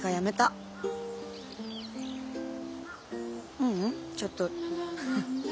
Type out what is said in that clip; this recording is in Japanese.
ううんちょっとハハ。